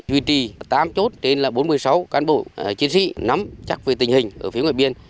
duy trì tám chốt trên bốn mươi sáu cán bộ chiến sĩ nắm chắc về tình hình ở phía ngoài biên